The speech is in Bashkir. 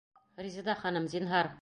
Резеда ханым, зинһар!